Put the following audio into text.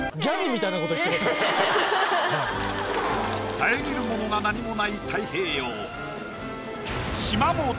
遮るものが何もない太平洋。